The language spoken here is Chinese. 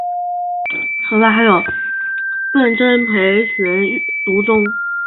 此外还有笨珍培群独中。